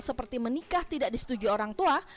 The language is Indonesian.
seperti menikah tidak disetujui orang tua